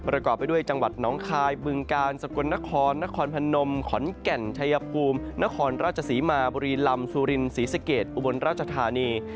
ไปด้วยจังหวัดน้องคายบึงกาลสกลนครนครพนมขอนแก่นชัยภูมินครราชศรีมาบุรีลำสุรินศรีสะเกดอุบลราชธานี